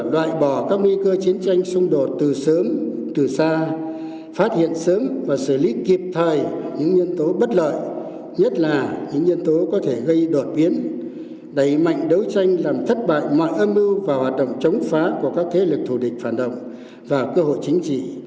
loại bỏ các nguy cơ chiến tranh xung đột từ sớm từ xa phát hiện sớm và xử lý kịp thời những nhân tố bất lợi nhất là những nhân tố có thể gây đột biến đẩy mạnh đấu tranh làm thất bại mọi âm mưu và hoạt động chống phá của các thế lực thù địch phản động và cơ hội chính trị